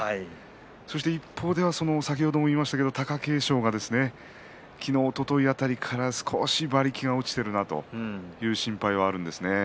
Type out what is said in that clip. そして一方では先ほども言いましたけれども貴景勝が昨日おととい辺りから少し馬力が落ちているなという心配があるんですが。